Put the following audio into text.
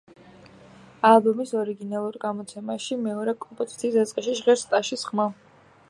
ალბომის ორიგინალურ გამოცემაში, მეორე კომპოზიციის დასაწყისში ჟღერს ტაშის ხმა.